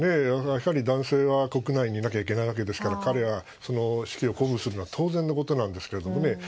やはり男性は国内にいなきゃいけないわけですから彼がその士気を鼓舞するのは当然のことなんですけどね。